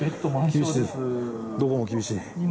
どこも厳しい？